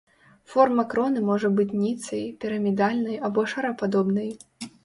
Форма кроны можа быць ніцай, пірамідальнай або шарападобнай.